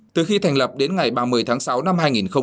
từ khi thành lập đến ngày ba mươi tháng sáu năm hai nghìn một mươi chín